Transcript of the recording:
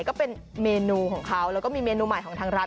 ก็เป็นเมนูของเขาแล้วก็มีเมนูใหม่ของทางร้าน